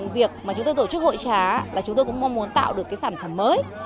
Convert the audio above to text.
việc chúng tôi tổ chức hội trá là chúng tôi cũng mong muốn tạo được sản phẩm mới